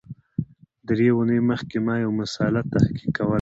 درې اونۍ مخکي ما یو مسأله تحقیق کول